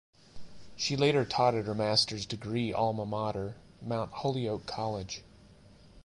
She later taught at her Master's degree alma mater, Mount Holyoke College.